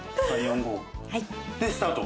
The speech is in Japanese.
でスタート。